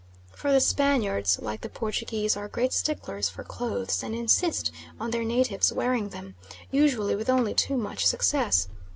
For the Spaniards, like the Portuguese, are great sticklers for clothes and insist on their natives wearing them usually with only too much success.